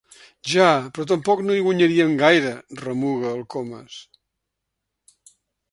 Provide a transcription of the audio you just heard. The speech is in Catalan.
Ja, però tampoc no hi guanyaríem gaire —remuga el Comas—.